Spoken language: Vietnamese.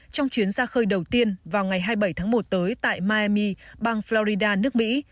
trong chuyến ra khơi đầu tiên vào ngày hai mươi bảy tháng một tới tại miami bang florida nước mỹ